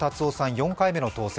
４回目の当選。